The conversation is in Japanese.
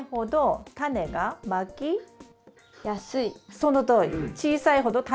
そのとおり。